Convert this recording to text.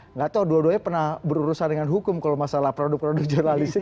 nggak tahu dua duanya pernah berurusan dengan hukum kalau masalah produk produk jurnalistik